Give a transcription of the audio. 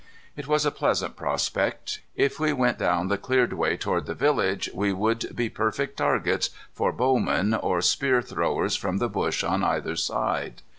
It was a pleasant prospect. If we went down the cleared way toward the village, we would be perfect targets for bowmen or spear throwers from the bush on either side.